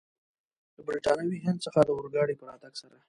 له برټانوي هند څخه د اورګاډي په راتګ سره.